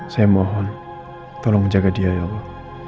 saya mohon tolong menjaga dia ya allah